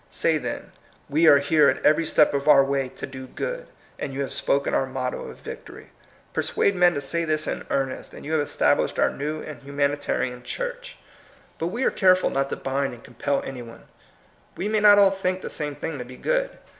Say, then. We are here at every step of our way to do good, and you have spoken our motto of victory. Per suade men to say this in earnest, and you have established our new and humanitarian church. THJS MOTTO OF VICTORY. 177 But we are careful not to bind and com pel any one. We may not all think the same thing to be good.